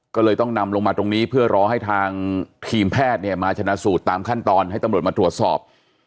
ก็เลยต้องนำลงมาตรงนี้เพื่อรอให้ทางทีมแพทย์เนี่ยมาชนะสูตรตามขั้นตอนให้ตำรวจมาตรวจสอบ